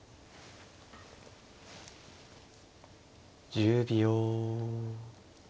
１０秒。